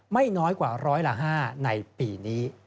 ไม่น้อยกว่าร้อยละ๕ในปีนี้